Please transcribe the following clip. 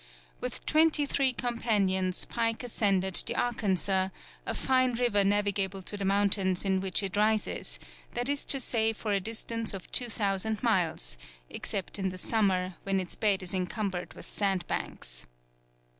With twenty three companions Pike ascended the Arkansas, a fine river navigable to the mountains in which it rises, that is to say for a distance of 2000 miles, except in the summer, when its bed is encumbered with sand banks.